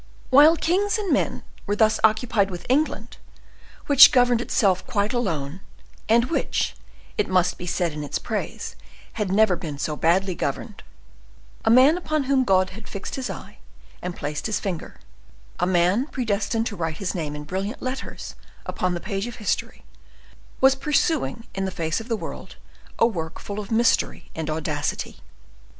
While kings and men were thus occupied with England, which governed itself quite alone, and which, it must be said in its praise, had never been so badly governed, a man upon whom God had fixed his eye, and placed his finger, a man predestined to write his name in brilliant letters upon the page of history, was pursuing in the face of the world a work full of mystery and audacity.